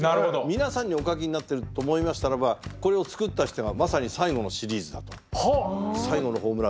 皆さんにお書きになってると思いましたらばこれを作った人がまさに最後のシリーズだと。